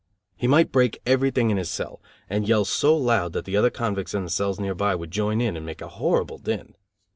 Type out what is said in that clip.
He might break everything in his cell, and yell so loud that the other convicts in the cells near by would join in and make a horrible din.